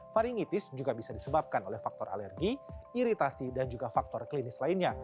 varingitis juga bisa disebabkan oleh faktor alergi iritasi dan juga faktor klinis lainnya